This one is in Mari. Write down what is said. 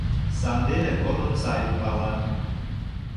Сандене корным сайын пала.